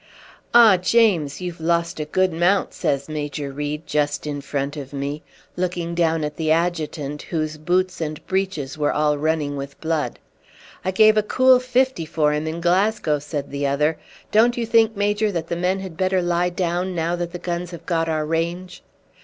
"Ah! James, you've lost a good mount," says Major Reed, just in front of me, looking down at the adjutant, whose boots and breeches were all running with blood. "I gave a cool fifty for him in Glasgow," said the other. "Don't you think, major, that the men had better lie down now that the guns have got our range?"